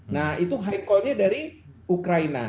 nah itu high call nya dari ukraina